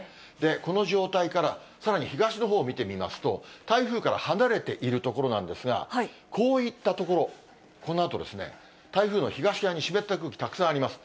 この状態からさらに東のほう見てみますと、台風から離れている所なんですが、こういった所、このあとですね、台風の東側に湿った空気たくさんあります。